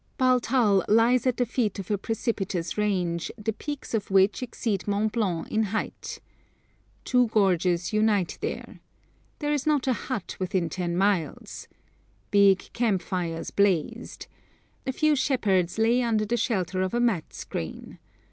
Baltal lies at the feet of a precipitous range, the peaks of which exceed Mont Blanc in height. Two gorges unite there. There is not a hut within ten miles. Big camp fires blazed. A few shepherds lay under the shelter of a mat screen.